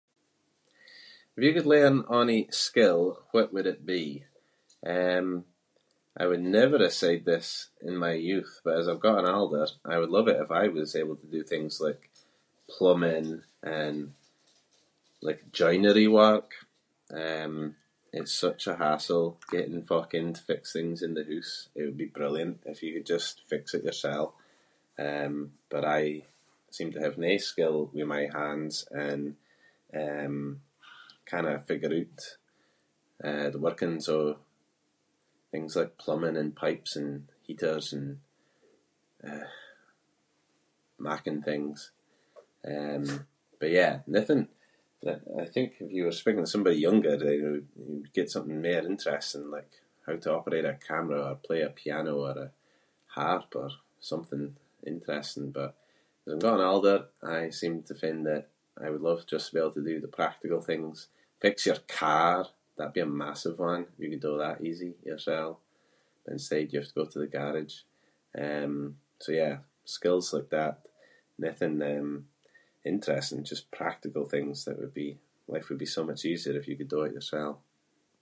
If you could learn ony skill, what would it be? Um, I would never’ve said this in my youth but as I’ve gotten older I would love it if I was able to do things like plumbing and like joinery work. Um, it’s such a hassle getting folk in to fix things in the hoose. It would be brilliant if you could just fix it yoursel. Um, but I seem to have no skill with my hands and, um, cannae figure oot, eh, the workings of things like plumbing and pipes and heaters and, eh, making things. Um, but yeah, nothing- I- I think if you were speaking to somebody younger you would- you would get something mair interesting like how to operate a camera or play a piano or a harp or something interesting but as I’ve gotten older I seem to find that I would love just to be able to do the practical things -fix your car, that would be a massive one – you could do that easy yoursel. Instead you’ve got to go to the garage. Um, so yeah, skills like that. Nothing um, interesting, just practical things that would be- life would be so much easier of you could do it yoursel.